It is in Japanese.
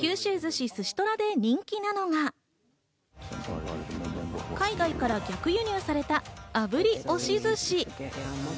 九州寿司・寿司虎で人気なのが、海外から逆輸入された炙り押し寿司。